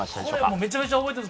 めちゃめちゃ覚えてます。